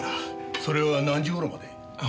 それは何時頃まで？